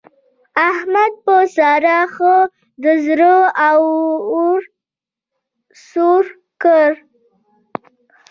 احمد په سارا ښه د زړه اور سوړ کړ.